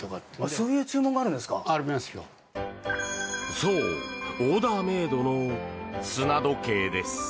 そうオーダーメイドの砂時計です。